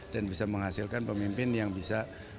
dan bisa menghasilkan pemimpin yang bisa